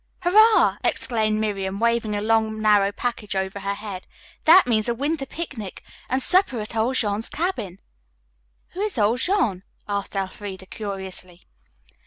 "Hurrah!" exclaimed Miriam, waving a long, narrow package over her head. "That means a winter picnic, and supper at old Jean's cabin." "Who is old Jean?" asked Elfreda curiously.